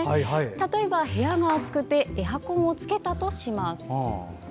例えば部屋が暑くてエアコンをつけたとします。